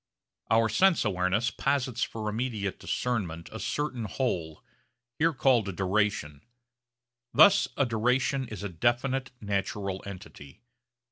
Our sense awareness posits for immediate discernment a certain whole, here called a 'duration'; thus a duration is a definite natural entity.